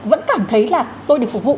vẫn cảm thấy là tôi được phục vụ